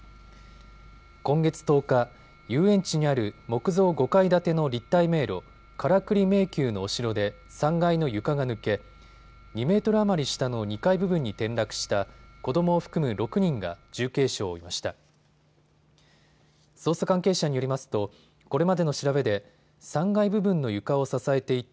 今月１０日、遊園地にある木造５階建ての立体迷路、カラクリ迷宮のお城で３階の床が抜け２メートル余り下の２階部分に転落した子どもを含む６人が重軽傷を負いました。